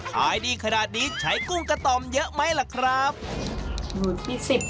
ขายดีขนาดนี้ใช้กุ้งกระต่อมเยอะไหมล่ะครับ